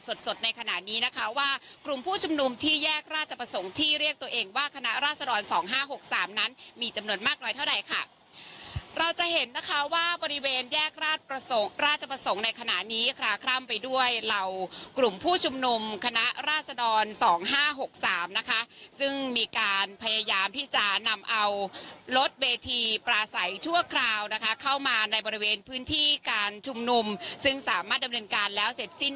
สดสดในขณะนี้นะคะว่ากลุ่มผู้ชุมนมที่แยกราชประสงค์ที่เรียกตัวเองว่าคณะราศดร๒๕๖๓นั้นมีจำนวนมากน้อยเท่าใดค่ะเราจะเห็นนะคะว่าบริเวณแยกราชประสงค์ราชประสงค์ในขณะนี้คลาคร่ำไปด้วยเรากลุ่มผู้ชุมนมคณะราศดร๒๕๖๓นะคะซึ่งมีการพยายามที่จะนำเอารถเวทีปลาใสชั่วคราวนะคะเข้ามาในบริเวณพื้